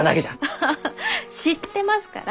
アハハ知ってますから！